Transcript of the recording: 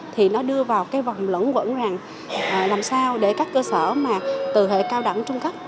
thì nó đưa vào cái vòng lẫn quẩn rằng làm sao để các cơ sở mà từ hệ cao đẳng trung cấp